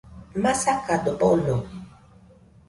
Masakado bono